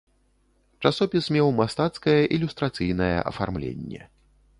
Часопіс меў мастацкае ілюстрацыйнае афармленне.